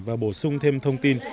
và bổ sung thêm thông tin